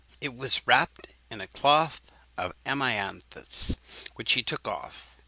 It was wrapped in a cloth of amianthos, which he took off.